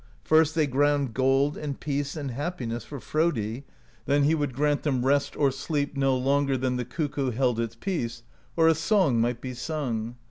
First they ground gold and peace and happiness for Frodi; then he would grant them rest or sleep no longer than the cuckoo held its peace or a song might be sung.